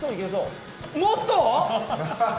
もっと？